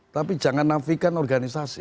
tapi jangan nafikan organisasi